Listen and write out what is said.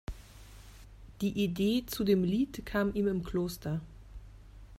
Die Idee zu dem Lied kam ihm im Kloster.